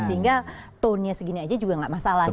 sehingga tone nya segini aja juga gak masalah gitu